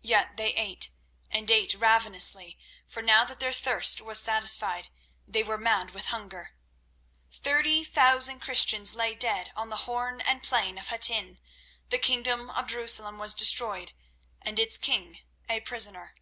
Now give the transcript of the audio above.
Yet they ate, and ate ravenously, for now that their thirst was satisfied, they were mad with hunger. Thirty thousand Christians lay dead on the Horn and plain of Hattin; the kingdom of Jerusalem was destroyed, and its king a prisoner.